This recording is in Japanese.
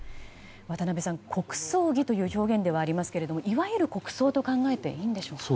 渡辺さん、国葬儀という表現ではありますがいわゆる国葬と考えていいんでしょうか。